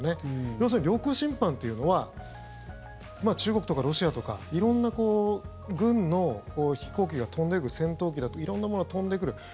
要するに、領空侵犯というのは中国とかロシアとか色んな軍の飛行機が飛んでくる戦闘機だとか色んなものが飛んでくる。